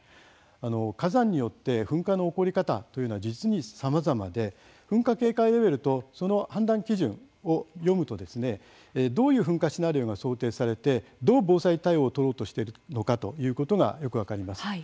火山によって噴火の起こり方というのは実にさまざまで噴火警戒レベルとその判断基準を読むとどういう噴火シナリオが想定されて、どう防災対応を取ろうとしているのかということがよく分かります。